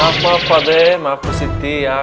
maaf maaf pak de maaf pak si ti ya